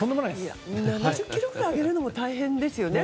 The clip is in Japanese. ７０ｋｇぐらい上げるのも大変ですよね。